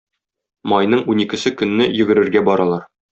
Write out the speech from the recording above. Майның уникесе көнне йөгерергә баралар.